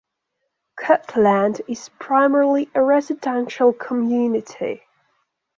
Kirtland is primarily a residential community.